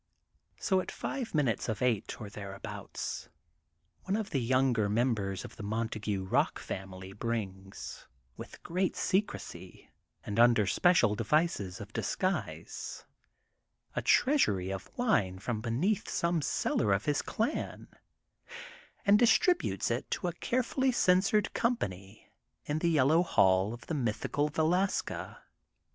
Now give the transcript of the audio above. So at five minutes of eight or thereabouts, one of the younger members of the Montague Bock fam ily brings, with great secrecy and under spe cial devices of disguise, a treasury of wine from beneath some cellar of his clan and dis tributes it to a carefully censored company in the Yellow Hall of the Mythical Velaska.